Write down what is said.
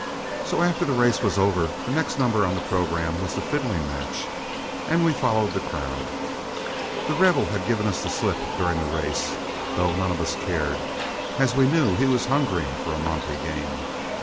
So after the race was over, the next number on the programme was the fiddling match, and we followed the crowd. The Rebel had given us the slip during the race, though none of us cared, as we knew he was hungering for a monte game.